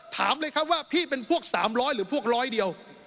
ถามเลยครับว่าพี่เป็นพวก๓๐๐หรือพวกร้อยเดียว